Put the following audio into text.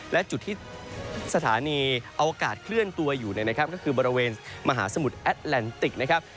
และจุดที่สถานีอวกาศเคลื่อนตัวอยู่เนี่ยนะครับก็คือบริเวณมหาสมุทรแอดแลนติกนะครับ